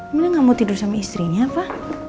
mungkin gak mau tidur sama istrinya apa